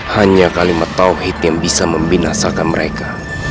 hanya kalimat tawhid yang bisa membinasakan mereka